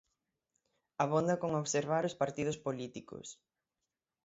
Abonda con observar os partidos políticos.